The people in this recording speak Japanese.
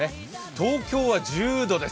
東京は１０度です。